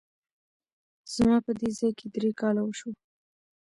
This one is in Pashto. زما په دې ځای کي درې کاله وشوه !